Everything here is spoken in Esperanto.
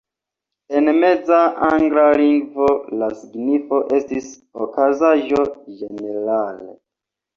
En Meza angla lingvo, la signifo estis "okazaĵo" ĝenerale.